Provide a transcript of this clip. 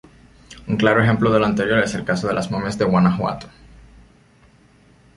Un claro ejemplo de lo anterior es el caso de las momias de Guanajuato.